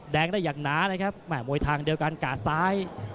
แดงได้อย่างหนาเลยครับแม่มวยทางเดียวกันกาดซ้าย